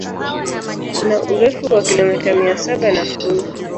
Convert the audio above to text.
Kuna urefu wa kilomita mia saba na kumi